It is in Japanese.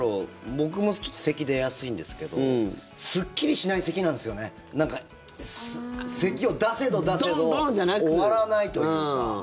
僕もちょっとせき出やすいんですけどすっきりしないせきなんですよねなんか、せきを出せど出せど終わらないというか。